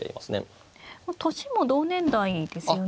年も同年代ですよね。